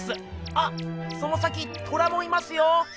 あその先トラもいますよ。